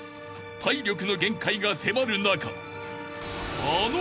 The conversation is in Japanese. ［体力の限界が迫る中］